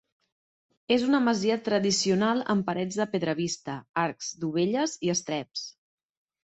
És una masia tradicional amb parets de pedra vista, arcs, dovelles i estreps.